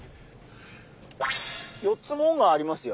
４つ紋がありますよ。